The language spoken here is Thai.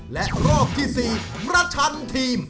และรอบที่๔ประชันทีม